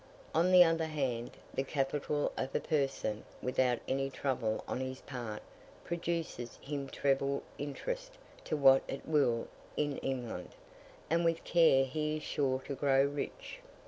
On the other hand, the capital of a person, without any trouble on his part, produces him treble interest to what it will in England; and with care he is sure to grow rich.